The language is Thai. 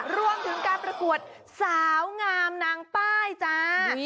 รวมถึงการประกวดสาวงามนางป้ายจ้า